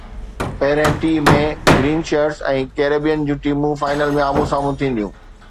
پهرئين T ۾ green shirts ۽ Caribbean جون ٽيمون فائنل ۾ آمهون سامهون ٿينديون